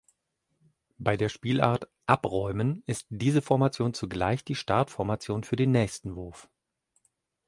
Bei der Spielart „Abräumen“ ist diese Formation zugleich die Startformation für den nächsten Wurf.